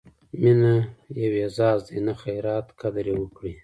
مینه یو اعزاز دی، نه خیرات؛ قدر یې وکړئ!